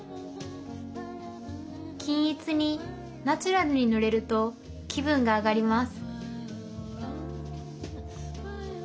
均一にナチュラルに塗れると気分が上がります